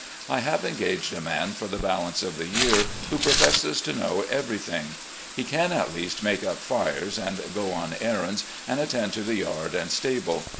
I have engaged a man for the balance of the year, who professes to know everything. He can at least make up fires, and go on errands, and attend to the yard and stable.